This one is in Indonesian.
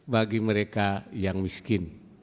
bagi mereka yang miskin